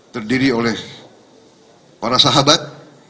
terdiri oleh para sahabat